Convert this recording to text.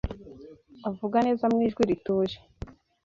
avuga neza mu ijwi rituje